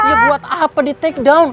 ya buat apa di take down